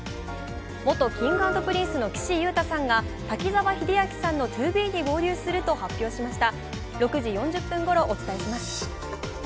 元Ｋｉｎｇ＆Ｐｒｉｎｃｅの岸優太さんが滝沢秀明さんのＴＯＢＥに合流すると発表しました。